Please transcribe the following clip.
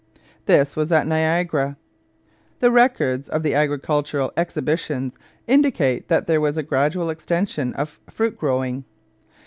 This was at Niagara. The records of the agricultural exhibitions indicate that there was a gradual extension of fruit growing.